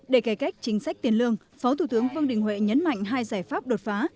để cải cách chính sách tiền lương phó thủ tướng vương đình huệ nhấn mạnh hai giải pháp đột phá